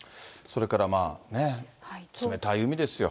それからね、冷たい海ですよ。